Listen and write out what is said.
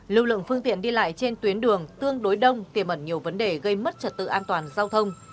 lưu lượng phương tiện đi lại trên tuyến đường tương đối đông tiềm ẩn nhiều vấn đề gây mất trật tự an toàn giao thông